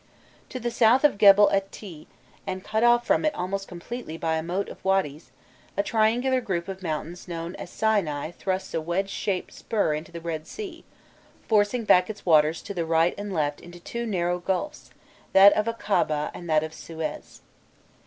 To the south of Gebel et Tîh, and cut off from it almost completely by a moat of wadys, a triangular group of mountains known as Sinai thrusts a wedge shaped spur into the Red Sea, forcing back its waters to the right and left into two narrow gulfs, that of Akabah and that of Suez.